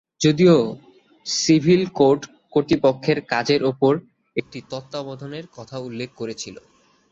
যদিও civil code কর্তৃপক্ষের কাজের উপর একটি তত্ত্বাবধানের কথা উল্লেখ করেছিল।